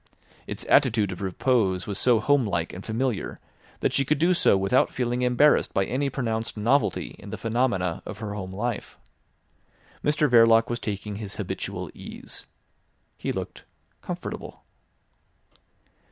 Its attitude of repose was so home like and familiar that she could do so without feeling embarrassed by any pronounced novelty in the phenomena of her home life. Mr Verloc was taking his habitual ease. He looked comfortable.